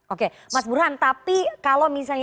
oke mas burhan tapi kalau misalnya